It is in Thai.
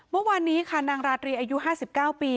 เมื่อวานนี้ค่ะนางราธรีอายุห้าสิบเก้าปี